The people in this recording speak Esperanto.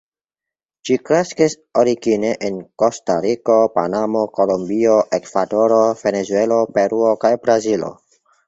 Ĝi kreskis origine en Kostariko, Panamo, Kolombio, Ekvadoro, Venezuelo, Peruo kaj Brazilo.